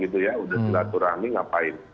sudah curah curah ini ngapain